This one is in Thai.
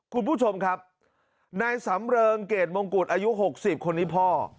คุณผู้ชมครับไนสำรเกรดมงกุฎอายุหกสิบคนี้พ่อ